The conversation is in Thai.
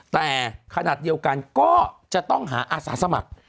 แต่ขณะเดียวกันก็จะต้องหาอาสาสมัคร